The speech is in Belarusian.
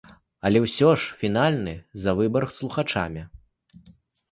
Але ўсё ж фінальны за выбар за слухачамі.